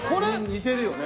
似てるよね。